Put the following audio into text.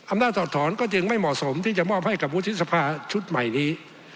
ถอดถอนก็จึงไม่เหมาะสมที่จะมอบให้กับวุฒิสภาชุดใหม่นี้